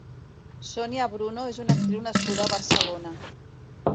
Sonia Bruno és una actriu nascuda a Barcelona.